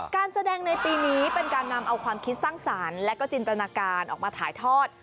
การแสดงในปีนี้เป็นการนำเอาความคิดสร้างสรรค์และก็จินตนาการออกมาถ่ายทอด